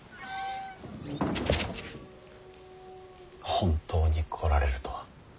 本当に来られるとは。